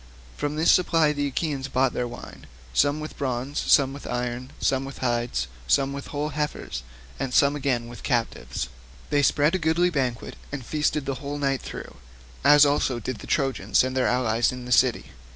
From this supply the Achaeans bought their wine, some with bronze, some with iron, some with hides, some with whole heifers, and some again with captives. They spread a goodly banquet and feasted the whole night through, as also did the Trojans and their allies in the city.